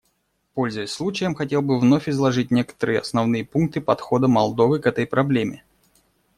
Пользуясь случаем, хотел бы вновь изложить некоторые основные пункты подхода Молдовы к этой проблеме.